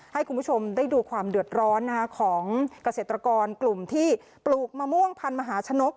ให้คุณผู้ชมได้ดูความเดือดร้อนของเกษตรกรกลุ่มที่ปลูกมะม่วงพันธมหาชนก